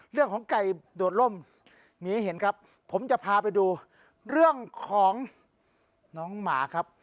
เรื่องของไก่โดดล่มหมีเห็นครับผมจะพาไปดูเรื่องของน้องหมาครับ